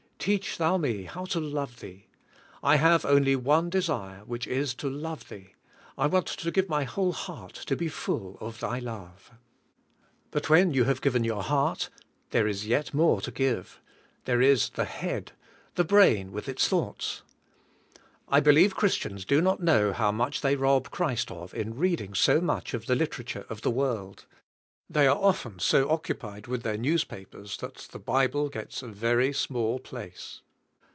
Teach Thou me how to love Thee. I have only one desire, which is to love Thee. I want to give my whole heart to be full of Thy love." But when you have given your heart, there is yet more to give. There is the head — the brain with its thoughts. I believe Christians do not know how much they rob Christ of in reading so much of the literature of the world. They are often so occupied with their newspapers that the Bible gets a very small place.